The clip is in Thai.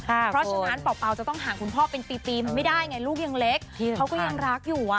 เพราะฉะนั้นเป่าจะต้องห่างคุณพ่อเป็นปีมันไม่ได้ไงลูกยังเล็กเขาก็ยังรักอยู่